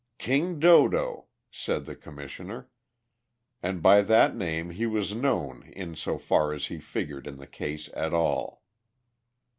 "King Dodo!" said the Commissioner, and that by that name he was known in so far as he figured in the case at all.